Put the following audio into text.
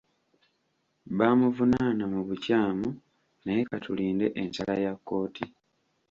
Baamuvunaana mu bukyamu naye ka tulinde ensala ya kkooti.